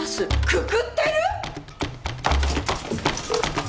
くくってる！？